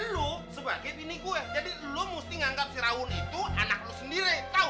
lo sebagai pini gue jadi lo mesti nganggap si raun itu anak lo sendiri tau